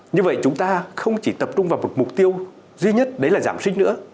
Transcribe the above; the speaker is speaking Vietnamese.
như vậy chúng ta không chỉ tập trung vào một mục tiêu duy nhất đấy là giảm sinh nữa